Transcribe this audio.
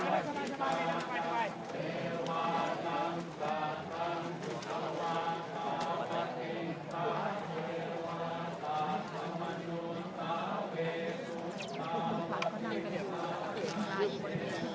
มีผู้ที่ได้รับบาดเจ็บและถูกนำตัวส่งโรงพยาบาลเป็นผู้หญิงวัยกลางคน